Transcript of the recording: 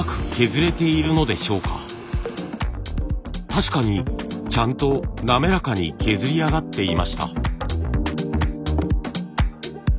確かにちゃんと滑らかに削り上がっていました。